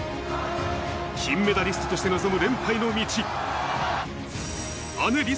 金メダリストとして臨む連覇への道。